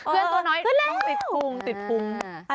ขึ้นตัวน้อยตืดพุงตืดพุง